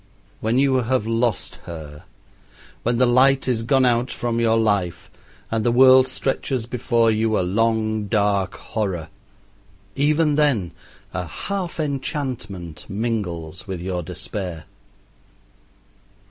When you have lost her when the light is gone out from your life and the world stretches before you a long, dark horror, even then a half enchantment mingles with your despair.